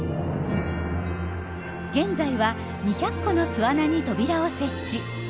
現在は２００個の巣穴に扉を設置。